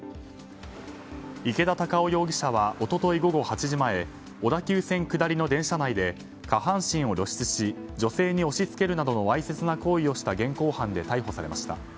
池田隆夫容疑者は一昨日午後８時前小田急線下りの電車内で下半身を露出し女性に押し付けるなどのわいせつな行為をした現行犯で逮捕されました。